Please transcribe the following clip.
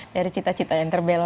dari cita cita yang terbelo